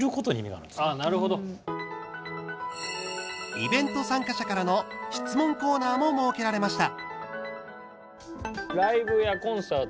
イベント参加者からの質問コーナーも設けられました。